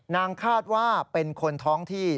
คาดว่าเป็นคนท้องที่